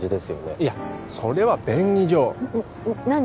いやそれは便宜上うん何？